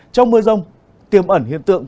trong mưa rông tiêm ẩn hiện tượng